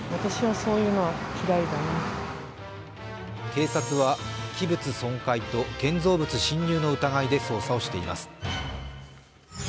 警察は器物損壊と建造物侵入の疑いで捜査しています。